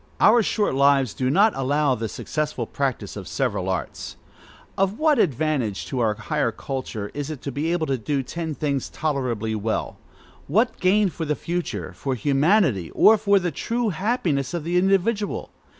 Our short lives do not allow the successful practice of several arts. Of what advantage to our higher culture is it to be able to do ten things tolerably well; what gain for the future, for humanity, or for the true happiness of the individual?